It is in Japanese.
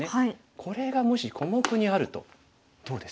これがもし小目にあるとどうです？